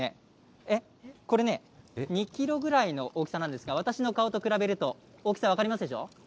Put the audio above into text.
えっ、これね、２キロぐらいの大きさなんですが、私の顔と比べると、大きさ、分かりますでしょ。